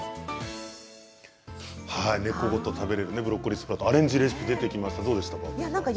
根っこごと食べられるブロッコリースプラウトアレンジレシピ出てきましたがどうですか？